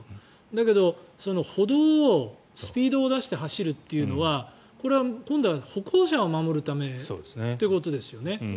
だけど、歩道をスピードを出して走るというのはこれは今度は歩行者を守るためってことですよね。